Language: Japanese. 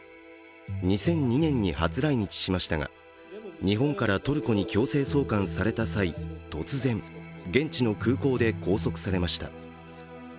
２００２年に初来日しましたが日本からトルコに強制送還された際、突然、現地の空港で拘束されました。